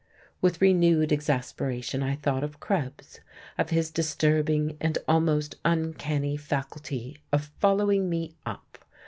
With renewed exasperation I thought of Krebs, of his disturbing and almost uncanny faculty of following me up.